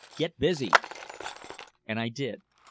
Get busy!" And I did.